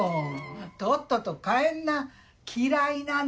とっとと帰んな嫌いなの！